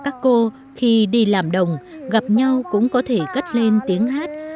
các bà các cô khi đi làm đồng gặp nhau cũng có thể cất lên tiếng hát